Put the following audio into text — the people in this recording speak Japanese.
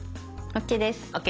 ＯＫです。